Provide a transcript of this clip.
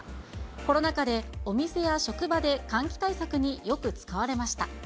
コロナ禍でお店や職場で換気対策によく使われました。